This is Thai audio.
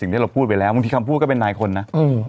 สิ่งที่เราพูดไปแล้วมึงทีคำพูดก็เป็น๙คนนะ